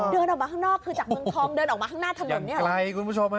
เดินออกมาข้างนอกคือจากเมืองทองเดินออกมาข้างหน้าถนนเนี่ยไกลคุณผู้ชมฮะ